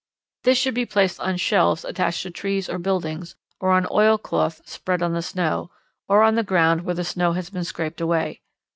This should be placed on shelves attached to trees or buildings, or on oilcloth spread on the snow, or on the ground where the snow has been scraped away.